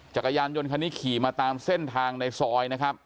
จักรยานยนต์คันนี้ขี่มาตามเส้นทางในซอยนะครับ